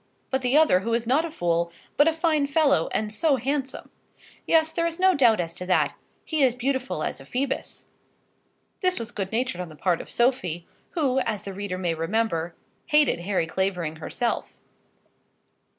but the other who is not a fool, but a fine fellow; and so handsome! Yes; there is no doubt as to that. He is beautiful as a Phoebus. [This was good natured on the part of Sophie, who, as the reader may remember, hated Harry Clavering herself.